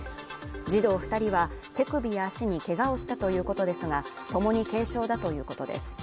児童二人は手首や足にけがをしたということですがともに軽傷だということです